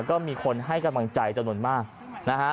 ก็มีคนให้กำลังใจจำนวนมากนะฮะ